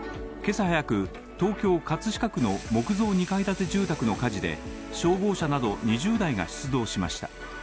今朝早く、東京・葛飾区の木造２階建て住宅の火事で消防車など２０台が出動しました。